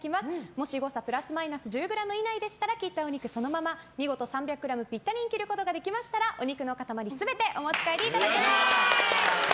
もし誤差プラスマイナス１０ｇ以内でしたら切ったお肉をそのまま見事３００ｇぴったりに切ることができましたらお肉の塊全てお持ち帰りいただけます。